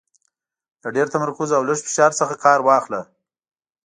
د ډېر تمرکز او لږ فشار څخه کار واخله .